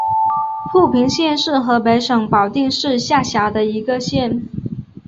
阜平县是河北省保定市下辖的一个县。